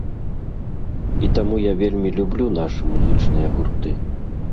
І таму я вельмі люблю нашы музычныя гурты.